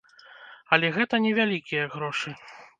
Але гэта невялікія грошы.